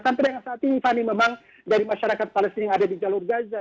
sampai dengan saat ini fani memang dari masyarakat palestina yang ada di jalur gaza